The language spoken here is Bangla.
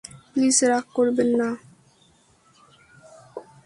প্লিজ রাগ করবেন না।